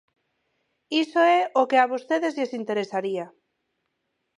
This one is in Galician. Iso é o que a vostedes lles interesaría.